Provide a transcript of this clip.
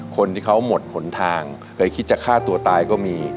คนที่เขาหมดหนทางเคยคิดจะฆ่าตัวตายก็มี